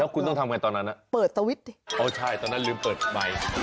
แล้วคุณต้องทำกันตอนนั้นนะเปิดสวิตช์ดิโอ้ใช่ตอนนั้นลืมเปิดใหม่